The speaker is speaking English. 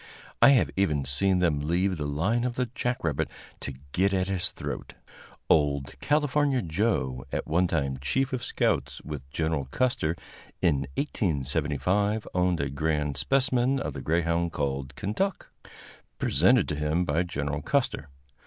I have even seen them leave the line of the jack rabbit to get at his throat. Old "California Joe," at one time chief of scouts with Gen. Custer, in 1875 owned a grand specimen of the greyhound called Kentuck, presented to him by Gen. Custer.